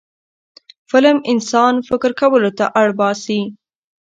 فلم انسان فکر کولو ته اړ باسي